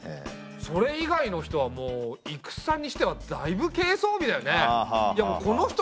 それ以外の人はもう戦にしてはだいぶ軽装備だよね。